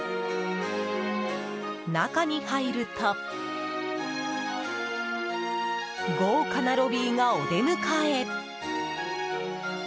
中に入ると豪華なロビーがお出迎え。